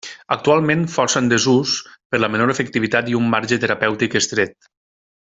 Actualment força en desús, per la menor efectivitat i un marge terapèutic estret.